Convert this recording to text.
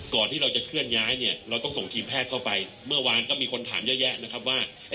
ที่เราจะเคลื่อนย้ายเนี่ยเราต้องส่งทีมแพทย์เข้าไปเมื่อวานก็มีคนถามเยอะแยะนะครับว่า